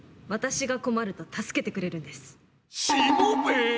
私が困ると助けてくれるんです。